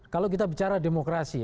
kalau kita bicara demokrasi